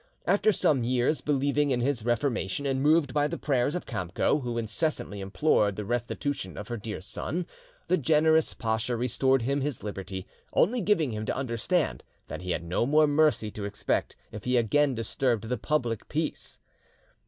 After some years, believing in his reformation, and moved by the prayers of Kamco, who incessantly implored the restitution of her dear son, the generous pacha restored him his liberty, only giving him to under stand that he had no more mercy to expect if he again disturbed the public peace.